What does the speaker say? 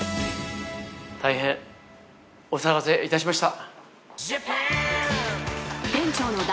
大変お騒がせいたしました。